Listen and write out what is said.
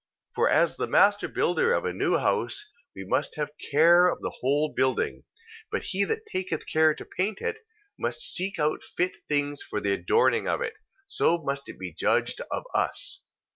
2:30. For as the master builder of a new house must have care of the whole building: but he that taketh care to paint it, must seek out fit things for the adorning of it: so must it be judged of us.